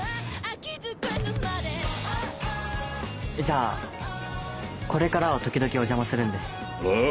じゃあこれからは時々お邪魔するんで。